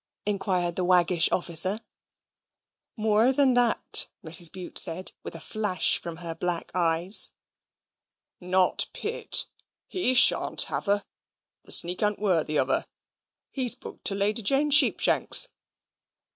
inquired the waggish officer. "More than that," Mrs. Bute said, with a flash from her black eyes. "Not Pitt? He sha'n't have her. The sneak a'n't worthy of her. He's booked to Lady Jane Sheepshanks."